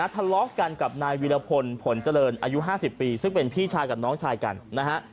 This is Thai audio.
ทะเลาะกันกับนายวีรพลผลเจริญอายุ๕๐ปีซึ่งเป็นพี่ชายกับน้องชายกันนะฮะ